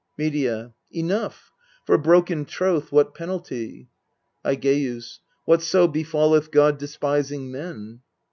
Medea. Enough. For broken troth what penalty? Aigeus. Whatso befalleth god despising men.